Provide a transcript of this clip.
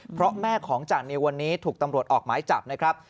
เพราะแม่ของจานิววันนี้ถูกตำรวจออกหมายจับนะครับ